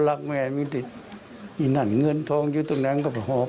บ้านนะพี่เป็นนี่คือบ้างเลยเป็นซื่อเศรือนะครับ